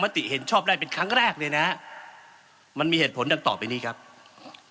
ภาคพิษดาลปี๗นักกู้แห่งรุ่มแม่น้ำเจ้าพญาตอนที่มีชื่อว่า